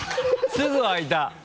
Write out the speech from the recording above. すぐ開いた。